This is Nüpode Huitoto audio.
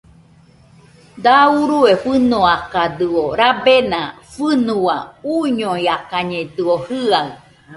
Da urue fɨnoakadɨo, rabena fɨnua uñoiakañedɨo jɨaɨ